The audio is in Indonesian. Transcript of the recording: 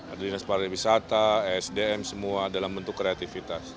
ada dinas pariwisata sdm semua dalam bentuk kreatifitas